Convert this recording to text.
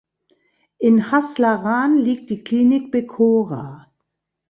In Has Laran liegt die Klinik Becora.